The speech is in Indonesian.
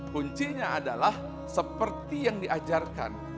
kuncinya adalah seperti yang diajarkan